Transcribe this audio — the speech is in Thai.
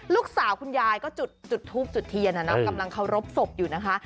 ลูกสาวคุณยายก็จุดทูปจุดเทียนนะน้ำกำลังเขารบศพอยู่นะคะ